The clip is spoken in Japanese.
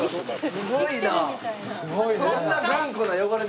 すごいね。